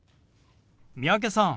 三宅さん